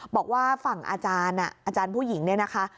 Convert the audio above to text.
บอกว่าฝั่งอาจารย์อ่ะอาจารย์ผู้หญิงเนี่ยนะคะ